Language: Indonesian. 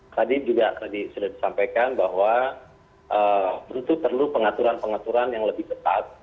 tadi juga sudah disampaikan bahwa tentu perlu pengaturan pengaturan yang lebih ketat